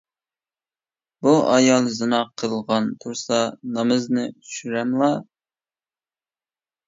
بۇ ئايال زىنا قىلغان تۇرسا نامىزىنى چۈشۈرەملا؟ !